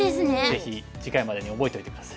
ぜひ次回までに覚えといて下さい。